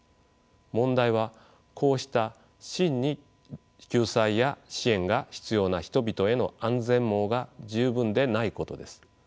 問題はこうした真に救済や支援が必要な人々への安全網が十分でないことです。